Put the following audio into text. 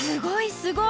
すごい！